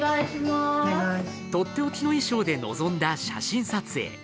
とっておきの衣装で臨んだ写真撮影。